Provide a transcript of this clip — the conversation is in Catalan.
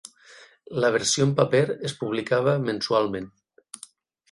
La versió en paper es publicava mensualment.